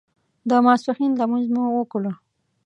د ماسپښین لمونځ مو وکړ.